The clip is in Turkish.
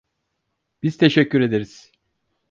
Biz teşekkür ederiz.